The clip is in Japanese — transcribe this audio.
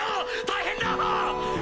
大変だ！